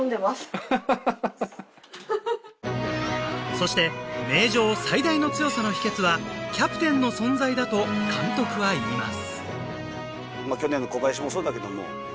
そして名城最大の強さの秘訣はキャプテンの存在だと監督は言います